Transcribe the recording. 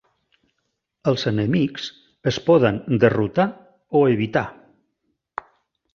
Els enemics es poden derrotar o evitar.